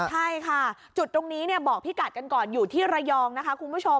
ใช่ค่ะจุดตรงนี้บอกพี่กัดกันก่อนอยู่ที่ระยองนะคะคุณผู้ชม